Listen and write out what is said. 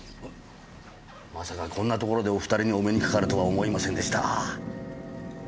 まさかこんなところでお二人にお目にかかるとは思いませんでした。